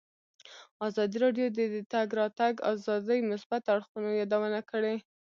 ازادي راډیو د د تګ راتګ ازادي د مثبتو اړخونو یادونه کړې.